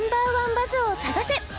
バズを探せ！